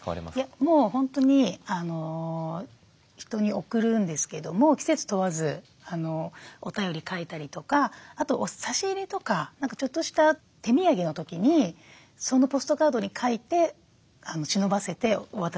もう本当に人に送るんですけども季節問わずお便り書いたりとかあと差し入れとかちょっとした手土産の時にそのポストカードに書いてしのばせてお渡ししますね。